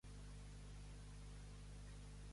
Tot el que Déu vol és salvat.